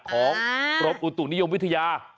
ของกรมอุตุนิยมวิทยา